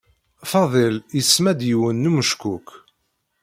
Faḍil isemma-d yiwen n umeckuk.